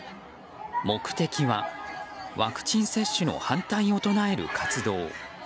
目的はワクチン接種の反対を唱える活動。